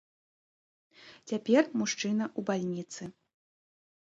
Цяпер мужчына ў бальніцы.